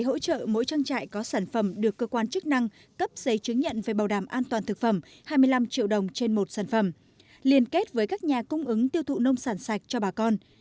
để hỗ trợ mỗi trang trại có sản phẩm được cơ quan chức năng cấp giấy chứng nhận về bảo đảm an toàn thực phẩm hai mươi năm triệu đồng trên một sản phẩm liên kết với các nhà cung ứng tiêu thụ nông sản sạch cho bà con